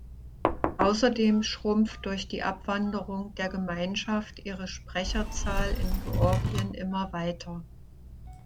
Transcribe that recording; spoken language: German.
Außerdem schrumpft durch die Abwanderung der Gemeinschaft ihre Sprecherzahl in Georgien immer weiter.